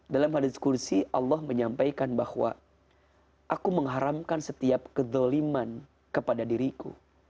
dalam hadit kursi allah menyampaikan bahwa aku mengharamkan setiap kedoliman kepada diriku